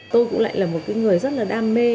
tôi cũng lại là một cái người rất là đam mê